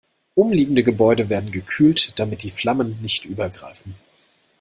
Umliegende Gebäude werden gekühlt, damit die Flammen nicht übergreifen.